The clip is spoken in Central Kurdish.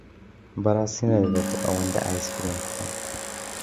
بەڕاستی نەدەبوو ئەوەندە ئایسکرێم بخۆم.